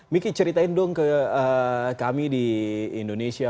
miki ceritakan ke kami di indonesia